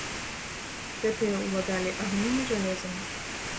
Гэтыя ўладалі агнём і жалезам.